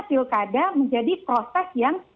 pilkada menjadi proses yang